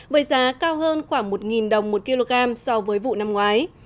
với giá cao hơn khoảng một đồng một kg so với vụ năm ngoái